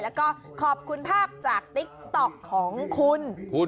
แล้วก็ขอบคุณภาพจากติ๊กต๊อกของคุณ